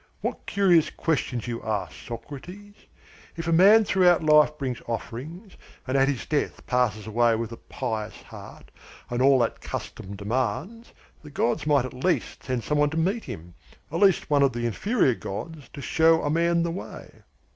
What curious questions you ask, Socrates! If a man throughout life brings offerings, and at his death passes away with a pious heart and with all that custom demands, the gods might at least send some one to meet him, at least one of the inferior gods, to show a man the way.